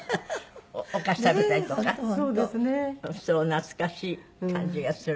懐かしい感じがする。